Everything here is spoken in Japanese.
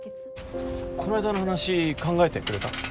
この間の話考えてくれた？